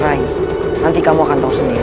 raih nanti kamu akan tahu sendiri